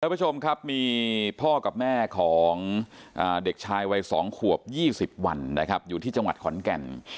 ผู้ชมครับมีพ่อกับแม่ของเด็กชายวัย๒ขวบ๒๐วันนะครับอยู่ที่จังหวัดขอนแก่น